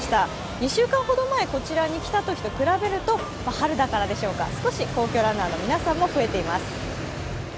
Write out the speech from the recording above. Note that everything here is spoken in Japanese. ２週間ほど前、こちらに来たときと比べると少し、皇居ランナーの皆さんも増えています。